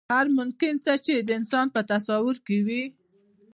هر ممکن څه چې د انسان په تصور کې وي.